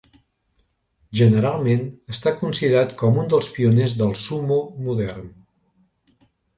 Generalment, està considerat com un dels pioners del sumo modern.